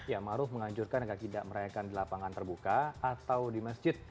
ya maruf menganjurkan agar tidak merayakan di lapangan terbuka atau di masjid